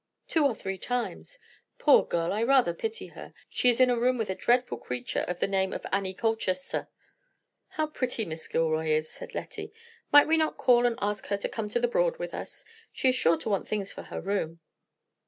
"Two or three times. Poor girl, I rather pity her. She is in a room with a dreadful creature of the name of Annie Colchester." "How pretty Miss Gilroy is," said Lettie. "Might we not call and ask her to come to the Broad with us? She is sure to want things for her room."